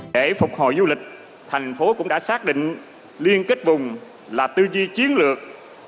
để phục hồi du lịch thành phố cũng đã xác định liên kết vùng là tư duy chiến lược